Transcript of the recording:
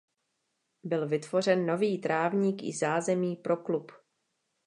Byl vytvořen nový trávník i zázemí pro klub.